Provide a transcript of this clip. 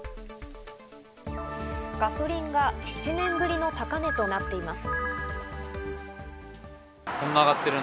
ガソリンが７年ぶりの高値となっています。